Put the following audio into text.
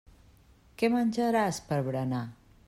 Què menjaràs per berenar.